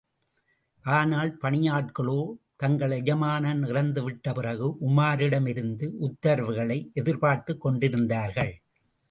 ஆனால் பணியாட்களோ தங்கள் எஜமானன் இறந்துவிட்ட பிறகு உமாரிடமிருந்தே உத்தரவுகளை எதிர்பார்த்துக் கொண்டிருந்தார்கள்.